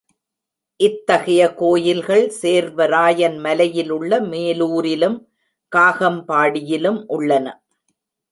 இத்தகைய கோயில்கள் சேர்வராயன் மலையிலுள்ள மேலூரிலும், காகம்பாடியிலும் உள்ளன.